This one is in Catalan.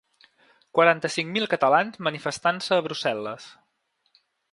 Quaranta-cinc mil catalans manifestant-se a Brussel·les.